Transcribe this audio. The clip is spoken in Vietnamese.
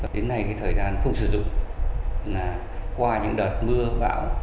đến nay cái thời gian không sử dụng là qua những đợt mưa gão